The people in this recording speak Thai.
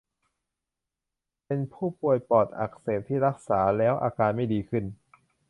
เป็นผู้ป่วยปอดอักเสบที่รักษาแล้วอาการไม่ดีขึ้น